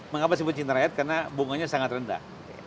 mengapa disebut sintar rakyat karena bunganya sangat rendah